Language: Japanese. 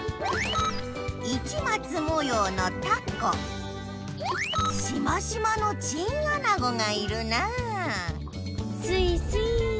いちまつもようのタコしましまのチンアナゴがいるなあすいすい。